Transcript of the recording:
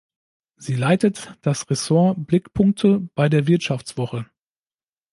Sie leitet das Ressort „Blickpunkte“ bei der "Wirtschaftswoche".